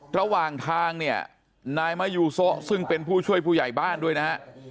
ระหว่างทางเนี่ยนายมะยูโซะซึ่งเป็นผู้ช่วยผู้ใหญ่บ้านด้วยนะฮะ